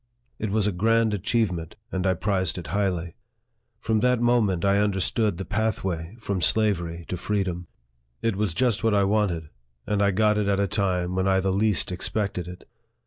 It was a grand achievement, and I prized it highly. From that moment, I under stood the pathway from slavery to freedom. It was 3 34 NARRATIVE OF THE just what I wanted, and I got it at a time when I the least expected it.